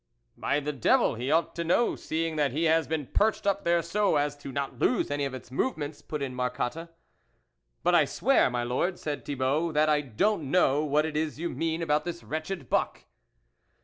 " By the devil, he ought to know, seeing that he has been perched up there so as not to lose any of its movements," put in Marcotte. " But I swear, my Lord," said Thibault, " that I don't know what it is you mean about this wretched buck."